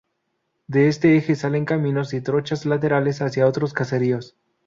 De este eje salen caminos y trochas laterales hacia otros caseríos.